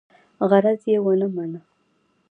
عرض یې ونه مانه.